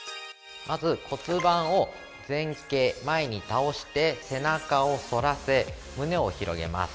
◆まず、骨盤を前傾前に倒して背中を反らせ胸を広げます。